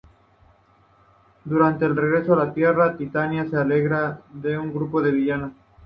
Durante el regreso a la Tierra, Titania se aleja del grupo de villanos.